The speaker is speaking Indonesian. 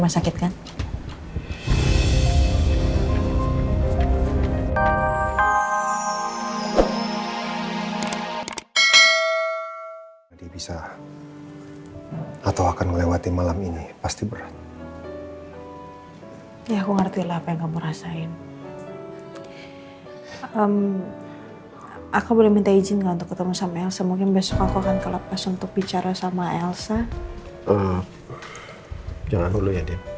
sampai jumpa di video selanjutnya